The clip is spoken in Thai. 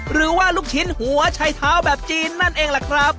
ลูกชิ้นหัวชัยเท้าแบบจีนนั่นเองล่ะครับ